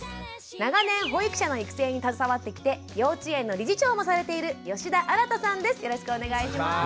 長年保育者の育成に携わってきて幼稚園の理事長もされているよろしくお願いします。